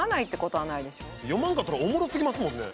読まんかったらおもろすぎますもんね。